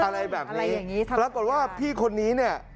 อะไรแบบนี้ปรากฏว่าพี่คนนี้เนี่ย